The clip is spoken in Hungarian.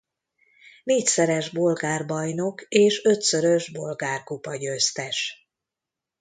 Négyszeres bolgár bajnok és ötszörös bolgár kupagyőztes.